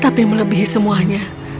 tapi melebihi semuanya